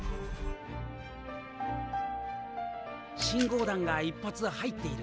信号弾が１発入っている。